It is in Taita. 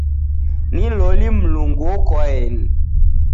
Ni loli Mlungu okwaeni.